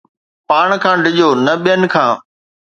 پاڻ کان ڊڄو نه ٻين کان